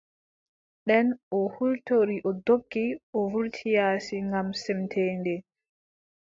Nden o hultori o doggi o wurti yaasi ngam semteende.